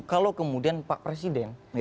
kalau kemudian pak presiden